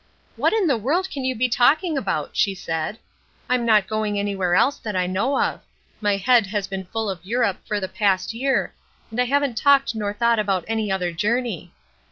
'What in the world can you be talking about?' she said. 'I'm not going anywhere else that I know of. My head has been full of Europe for the last year, and I haven't talked nor thought about any other journey.'